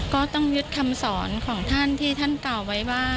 ก็ต้องยึดคำสอนของท่านที่ท่านกล่าวไว้ว่า